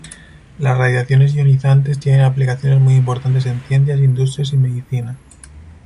Las radiaciones ionizantes tienen aplicaciones muy importantes en ciencias, industrias y medicina.